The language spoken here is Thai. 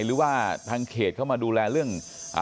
หรือว่าทางเขตเข้ามาดูแลเรื่อง